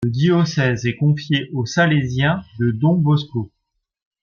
Le diocèse est confié aux Salésiens de Don Bosco.